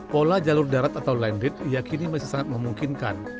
pola jalur darat atau landed yakini masih sangat memungkinkan